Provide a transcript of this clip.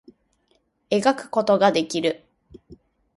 絵描くことができる